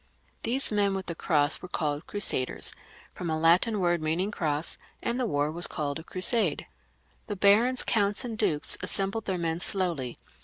These men with the cross were called 70 ' PHILIP L fCH. Crusaders, firom a Latin word meaning cross, and the war was called a Crusade. The barons, counts, and dukes assembled their men slowly.